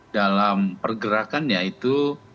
dalam pergerakannya itu